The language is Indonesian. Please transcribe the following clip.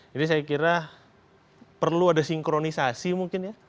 jadi saya kira perlu ada sinkronisasi mungkin ya